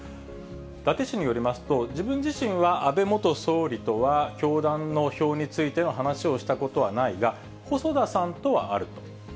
伊達氏によりますと、自分自身は安倍元総理とは、教団の票についての話をしたことはないが、細田さんとはあると。